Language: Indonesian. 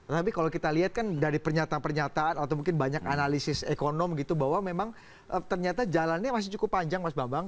tapi kalau kita lihat kan dari pernyataan pernyataan atau mungkin banyak analisis ekonom gitu bahwa memang ternyata jalannya masih cukup panjang mas bambang